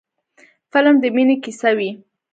فلم د مینې کیسه وي